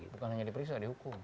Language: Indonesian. bukan hanya diperiksa dihukum